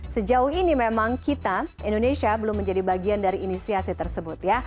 sejauh ini memang kita indonesia belum menjadi bagian dari inisiasi tersebut ya